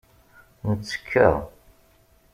Nettekka.